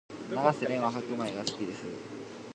永瀬廉は白米が好きです